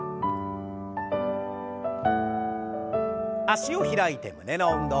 脚を開いて胸の運動。